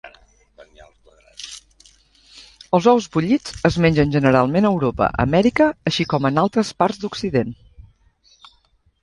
Els ous bullits es mengen generalment a Europa, Amèrica així com en altres parts d'occident.